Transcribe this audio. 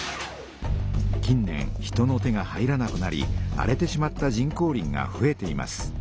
近年人の手が入らなくなり荒れてしまった人工林がふえています。